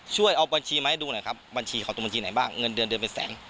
ช่วยเอาบัญชีมาให้ดูหน่อยครับบัญชีเขาตรงบัญชีไหนบ้างเงินเดือนเดือนเป็นแสน